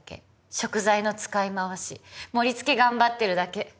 「食材の使い回し」「盛り付け頑張ってるだけ」